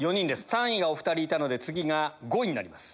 ３位がお２人いたので次が５位になります。